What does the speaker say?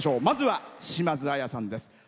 まずは島津亜矢さんです。